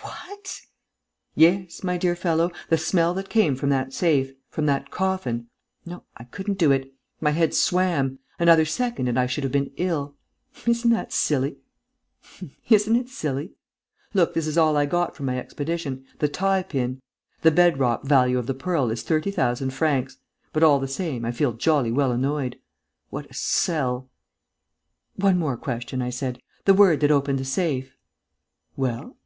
"What?" "Yes, my dear fellow, the smell that came from that safe ... from that coffin.... No, I couldn't do it ... my head swam.... Another second and I should have been ill.... Isn't it silly?... Look, this is all I got from my expedition: the tie pin.... The bed rock value of the pearl is thirty thousand francs.... But all the same, I feel jolly well annoyed. What a sell!" "One more question," I said. "The word that opened the safe!" "Well?"